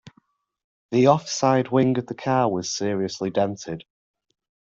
The offside wing of the car was seriously dented